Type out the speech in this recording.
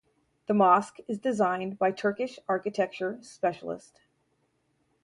The mosque is designed by Turkish architecture specialist.